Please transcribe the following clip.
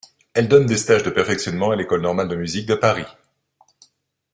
Elle donne des stages de perfectionnement à l'École normale de musique de Paris.